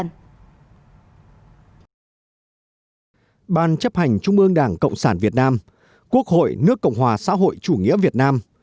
nguyên tổng bí thư ban chấp hành trung ương đảng cộng sản việt nam quốc hội nước cộng hòa xã hội chủ nghĩa việt nam